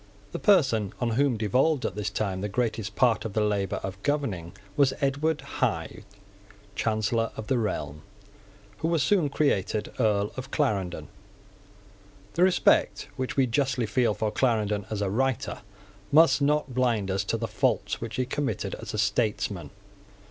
The person on whom devolved at this time the greatest part of the labour of governing was Edward Hyde, Chancellor of the realm, who was soon created Earl of Clarendon. The respect which we justly feel for Clarendon as a writer must not blind us to the faults which he committed as a statesman.